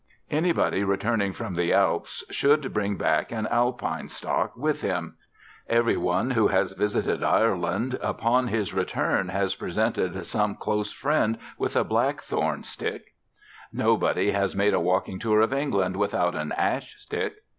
Anybody returning from the Alps should bring back an Alpine stock with him; every one who has visited Ireland upon his return has presented some close friend with a blackthorn stick; nobody has made a walking tour of England without an ash stick.